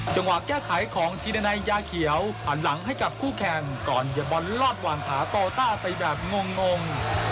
จังหวะแก้ไขของทีนาในยาเขียวผ่านหลังให้กับคู่แขนก่อนเย็บบอลลอดหว่างขาโต๊ะไปแบบงง